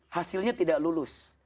hasilnya tidak lulus